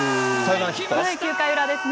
９回裏ですね。